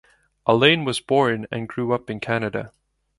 Allain was born and grew up in Canada.